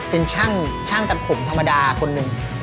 เป็นช่างตัดผมธรรมดาคนหนึ่ง